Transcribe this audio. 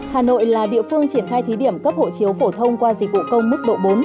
hà nội là địa phương triển khai thí điểm cấp hộ chiếu phổ thông qua dịch vụ công mức độ bốn